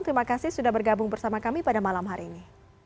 terima kasih sudah bergabung bersama kami pada malam hari ini